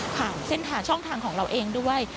ผ่านเส้นทางช่องทางของเราเองด้วย